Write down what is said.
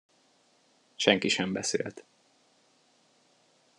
Senki sem beszélt.